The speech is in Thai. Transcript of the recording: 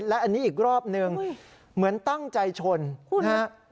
และอันนี้อีกรอบนึงเหมือนตั้งใจชนนะฮะ